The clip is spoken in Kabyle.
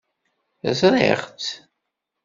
Ẓriɣ-tt.